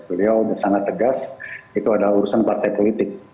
beliau sudah sangat tegas itu adalah urusan partai politik